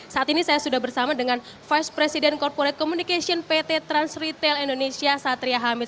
saat ini saya sudah bersama dengan vice president corporate communication pt trans retail indonesia satria hamid